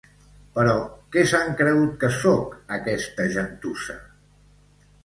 Però què s'han cregut que soc, aquesta gentussa?